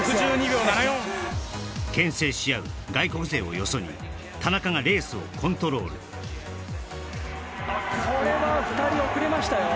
６２秒７４けん制し合う外国勢をよそに田中がレースをコントロールこれは２人遅れましたよ